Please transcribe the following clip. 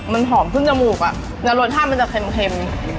มันหอมขึ้นจมูกอ่ะแล้วรสชาติมันจะเค็ม